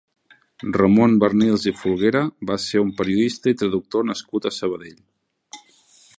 Ramon Barnils i Folguera va ser un periodista i traductor nascut a Sabadell.